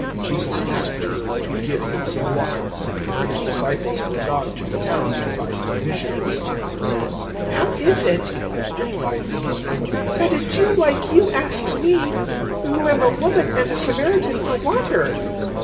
Jesus asked her to give Him some water; 004:008 for His disciples were gone to the town to buy provisions. 004:009 "How is it," replied the woman, "that a Jew like you asks me, who am a woman and a Samaritan, for water?"